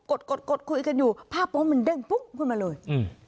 กดกดคุยกันอยู่ภาพโป๊มันเด้งปุ๊บขึ้นมาเลยอืม